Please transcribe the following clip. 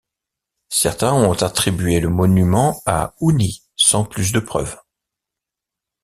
Certains ont attribué le monument à Houni sans plus de preuve.